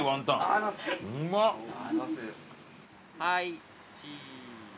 ・はいチーズ。